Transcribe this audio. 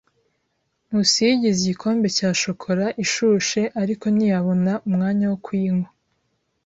Nkusi yigize igikombe cya shokora ishushe, ariko ntiyabona umwanya wo kuyinywa.